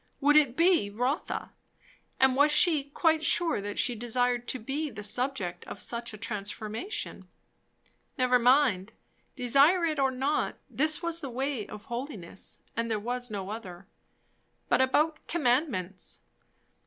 would it be Rotha? and was she quite sure that she desired to be the subject of such a transformation? Never mind; desire it or not, this was the "way of holiness," and there was no other. But about commandments?